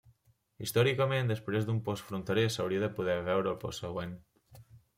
Històricament després d'un post fronterer s'hauria de poder veure el post següent.